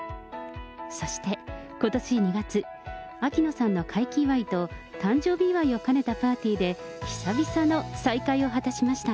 そして、ことし２月、秋野さんの快気祝いと、誕生日祝いを兼ねたパーティーで、久々の再会を果たしました。